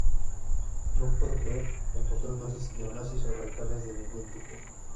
No puedo creer en posturas nazis, neonazis, o radicales de ningún tipo.